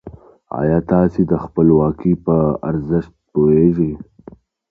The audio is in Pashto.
ايا تاسې د خپلواکۍ په ارزښت پوهېږئ؟